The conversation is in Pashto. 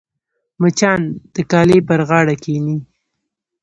مچان د کالي پر غاړه کښېني